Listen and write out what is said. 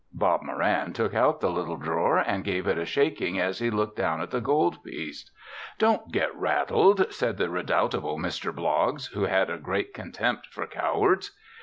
Bob Moran took out the little drawer and gave it a shaking as he looked down at the gold piece. "Don't get rattled," said the redoubtable Mr. Bloggs, who had a great contempt for cowards.